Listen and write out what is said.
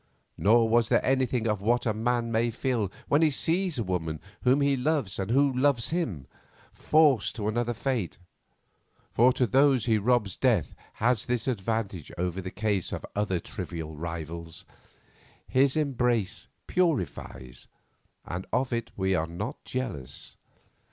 Nor was there anything of what a man may feel when he sees the woman whom he loves and who loves him, forced to another fate, for to those he robs death has this advantage over the case of other successful rivals: his embrace purifies, and of it we are not jealous.